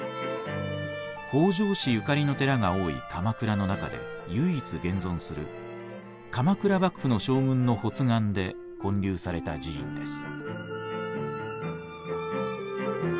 北条氏ゆかりの寺が多い鎌倉の中で唯一現存する鎌倉幕府の将軍の発願で建立された寺院です。